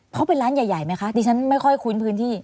เขาเป็นร้านใหญ่ไหมคะดิฉันไม่ค่อยคุ้นพื้นที่